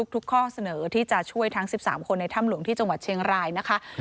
ข้อเสนอที่จะช่วยทั้ง๑๓คนในถ้ำหลวงที่จังหวัดเชียงรายนะคะ